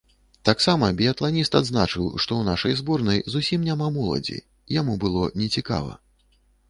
Таксама біятланіст адзначыў, што ў нашай зборнай зусім няма моладзі і яму было нецікава.